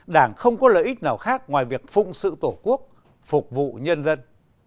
đảng không có lợi ích nào khác ngoài việc phụng sự tổ quốc phục vụ nhân dân